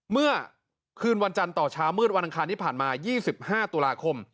เมื่อคืนวันจันทร์ต่อเช้ามืดวันอังคารที่ผ่านมา๒๕ตุลาคม